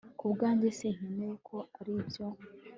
Ku bwanjye sinkeka ko aribyo